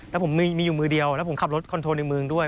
แล้วผมมีอยู่มือเดียวแล้วผมขับรถคอนโทรในเมืองด้วย